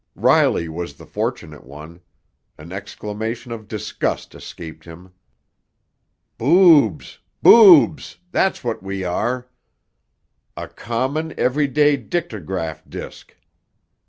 Riley was the fortunate one. An exclamation of disgust escaped him. "Boobs! Boobs! That's what we are! A common, everyday dictograph disk!